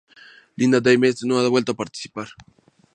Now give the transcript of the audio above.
Linda Danvers no ha vuelto a participar".